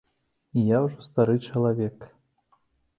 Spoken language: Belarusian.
Я ўжо стары чалавек.